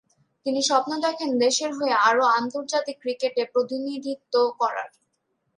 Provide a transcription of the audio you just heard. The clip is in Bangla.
তিনি স্বপ্ন দেখেন দেশের হয়ে আরও আন্তর্জাতিক ক্রিকেটে প্রতিনিধিত্ব করার।